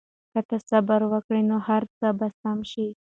که ته صبر وکړې نو هر څه به سم شي.